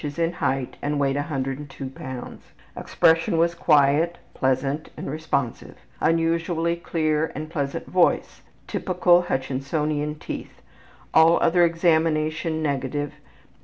in height and weighed 102 lbs. Expression was quiet, pleasant, and responsive. Unusually clear and pleasant voice. Typical Hutchinsonian teeth. All other examination negative.